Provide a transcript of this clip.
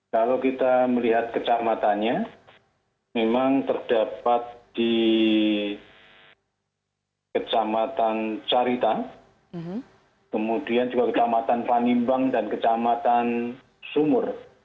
kalau kita melihat kecamatannya memang terdapat di kecamatan carita kemudian juga kecamatan panimbang dan kecamatan sumur